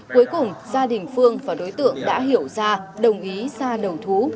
cuối cùng gia đình phương và đối tượng đã hiểu ra đồng ý ra đầu thú